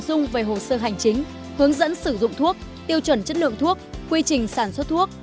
nội dung về hồ sơ hành chính hướng dẫn sử dụng thuốc tiêu chuẩn chất lượng thuốc quy trình sản xuất thuốc